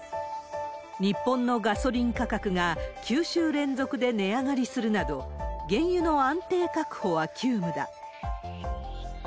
日本のガソリン価格が９週連続で値上がりするなど、原油の安定確保は急務だ。